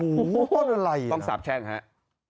โอ้โหต้นอะไรต้องสาบแช่งครับ